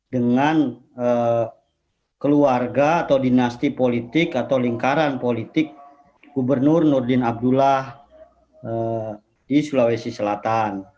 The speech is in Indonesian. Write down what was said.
dengan keluarga atau dinasti politik atau lingkaran politik gubernur nurdin abdullah di sulawesi selatan